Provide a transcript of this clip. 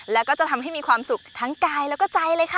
แล้วก็จะทำให้มีความสุขทั้งกายแล้วก็ใจเลยค่ะ